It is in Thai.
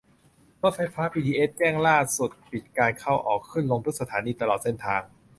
รถไฟฟ้าบีทีเอส แจ้งล่าสุดปิดการเข้า-ออก ขึ้นลงทุกสถานีตลอดเส้นทาง